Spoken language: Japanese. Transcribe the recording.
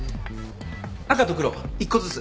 赤と黒１個ずつ。